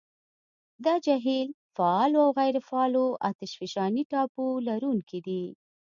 دا جهیل فعالو او غیرو فعالو اتشفشاني ټاپو لرونکي دي.